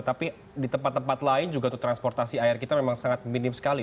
tapi di tempat tempat lain juga tuh transportasi air kita memang sangat minim sekali